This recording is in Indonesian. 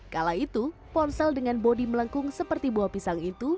kala itu ponsel dengan bodi melengkung seperti buah pisang itu